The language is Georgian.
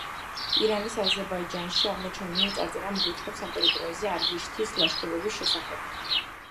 ირანის აზერბაიჯანში აღმოჩენილი წარწერა მოგვითხრობს ამ ტერიტორიაზე არგიშთის ლაშქრობის შესახებ.